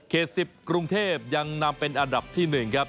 ๑๐กรุงเทพยังนำเป็นอันดับที่๑ครับ